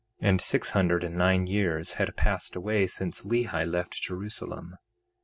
2:6 And six hundred and nine years had passed away since Lehi left Jerusalem.